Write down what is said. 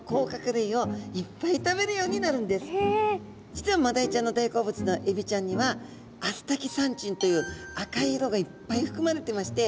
実はマダイちゃんの大好物のエビちゃんにはアスタキサンチンという赤い色がいっぱいふくまれてまして。